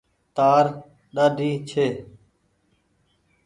تآر ۮاۮي ڇي۔